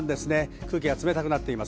空気が冷たくなっています。